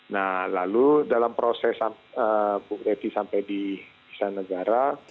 nah lalu dalam proses bukti sampai di istana negara